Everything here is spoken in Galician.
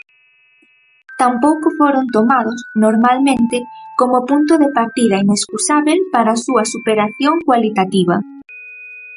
Tampouco foron tomados, normalmente, como punto de partida inescusábel para a súa superación cualitativa.